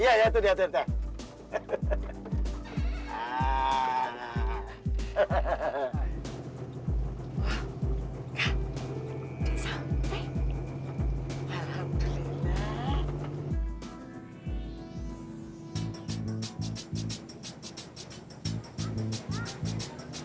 iya itu dia tempatnya